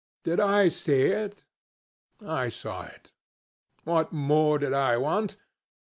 Did I see it? I saw it. What more did I want?